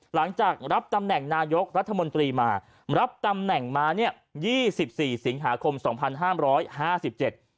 หลังจากรับตำแหน่งนายกรัฐมนตรีมารับตำแหน่งมาเนี้ยยี่สิบสี่สิงหาคมสองพันห้ามร้อยห้าสิบเจ็ด